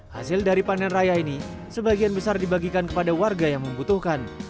hasil dari panen raya ini sebagian besar dibagikan kepada warga yang membutuhkan